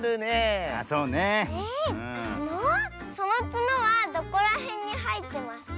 そのつのはどこらへんにはえてますか？